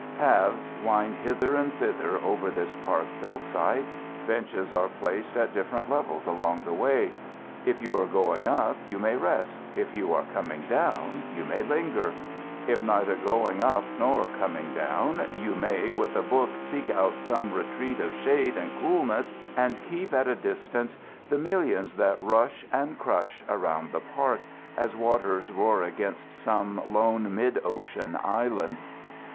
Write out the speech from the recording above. Paths wind hither and thither over this park hillside. Benches are placed at different levels along the way. If you are going up, you may rest; if you are coming down, you may linger; if neither going up nor coming down, you may with a book seek out some retreat of shade and coolness and keep at a distance the millions that rush and crush around the park as waters roar against some lone mid ocean island.